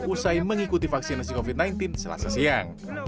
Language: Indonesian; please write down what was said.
usai mengikuti vaksinasi covid sembilan belas selasa siang